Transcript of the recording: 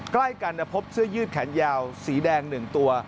ใกล้กันพบเสื้อยืดแขนยาวสีแดง๑ตัว